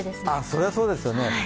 そりゃそうですよね。